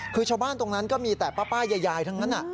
คือชาวบ้านตรงนั้นก็มีแต่ป้ายายทั้งนั้น